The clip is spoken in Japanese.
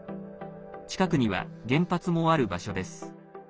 近くには原発もある場所です。